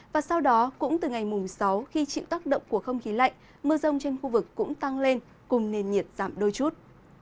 và sau đó cũng từ ngày mùng sáu khi chịu tác động của không khí lạnh mưa rông trên khu vực cũng tăng lên cùng nền nhiệt giảm đôi chút